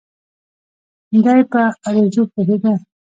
دای په عروضو پوهېده.